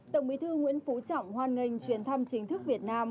tổng bí thư nguyễn phú trọng hoan nghênh chuyến thăm chính thức việt nam